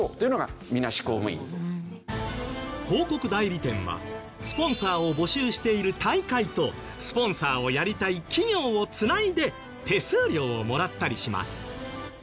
広告代理店はスポンサーを募集している大会とスポンサーをやりたい企業を繋いで手数料をもらったりします。